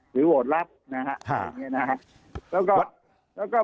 หรือโหวตลับนะครับ